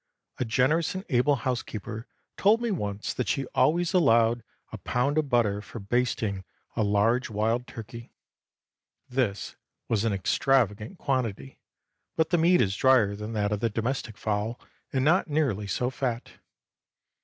A generous and able housekeeper told me once that she always allowed a pound of butter for basting a large wild turkey. This was an extravagant quantity, but the meat is drier than that of the domestic fowl, and not nearly so fat.